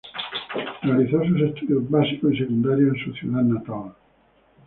Realizó sus estudios básicos y secundarios en su ciudad natal.